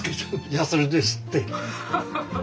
やすりですって。